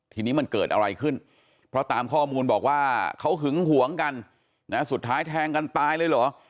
ทีนี้มันเกิดอะไรขึ้นเพราะตามข้อมูลบอกว่าเขาหึงหวงกันนะสุดท้ายแทงกันตายเลยเหรอ